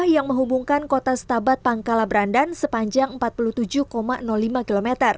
yang menghubungkan kota setabat pangkala berandan sepanjang empat puluh tujuh lima km